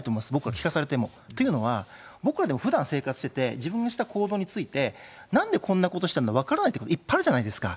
聞かされても、僕らが普段生活してて、自分のした行動について、なんでこんなことしたのか分からないってこと、いっぱいあるじゃないですか。